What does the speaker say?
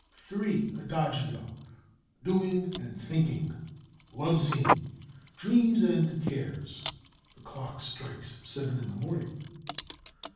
"III. ADAGIO: Doing and thinking. Love scene. Dreams and cares (the clock strikes seven in the morning).